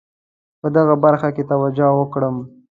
په دغه برخه کې توجه وکړم.